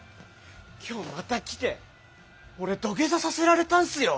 今日また来て俺土下座させられたんすよ！